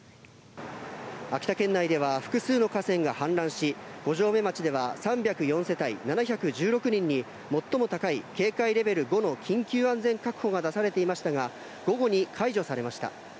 秋田県内では複数の河川が氾濫し、五城目町では３０４世帯７１６人に、最も高い警戒レベル５の緊急安全確保が出されていましたが、午後に解除されました。